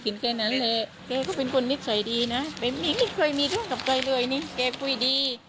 แค่นั้นแหละแกก็เป็นคนนิสัยดีนะไม่เคยมีเรื่องกับใครเลยนี่แกคุยดี